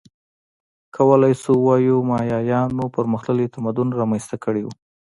کولای شو ووایو مایایانو پرمختللی تمدن رامنځته کړی و